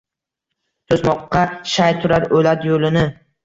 To’smoqqa shay turar o’lat yo’lini.